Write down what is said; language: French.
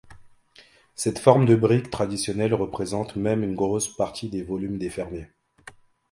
Cette forme de brique traditionnelle représente même une grosse partie des volumes des fermiers.